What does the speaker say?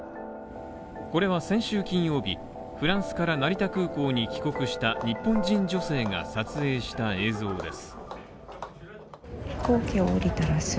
これは先週金曜日、フランスから成田空港に帰国した日本人女性が撮影した映像です。